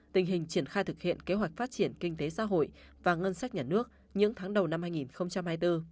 tình hình triển khai thực hiện kế hoạch phát triển kinh tế xã hội và ngân sách nhà nước những tháng đầu năm hai nghìn hai mươi bốn